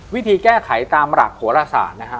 วิธีแก้ไขตามหลักโหลศาสตร์นะฮะ